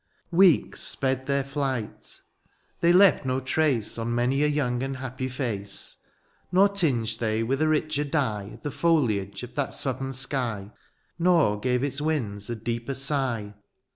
Weeks sped their flight; they left no trace On many a young and happy face : Nor tinged they with a richer dye The foUage of that southern sky. Nor gave its winds a deeper sigh.